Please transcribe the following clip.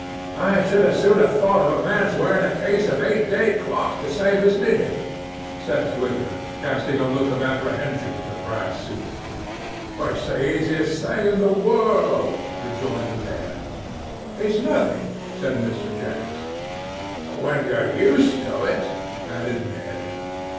'I should as soon have thought of a man's wearing the case of an eight day clock to save his linen,' said Twigger, casting a look of apprehension at the brass suit. 'It's the easiest thing in the world,' rejoined the Mayor. 'It's nothing,' said Mr. Jennings. 'When you're used to it,' added Ned.